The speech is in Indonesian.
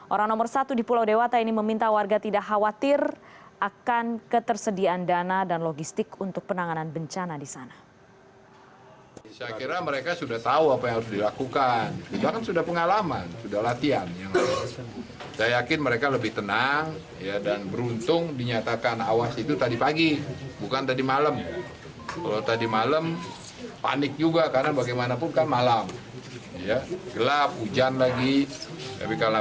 orang nomor satu di pulau dewata ini meminta warga tidak khawatir akan ketersediaan dana dan logistik untuk penanganan bencana di sana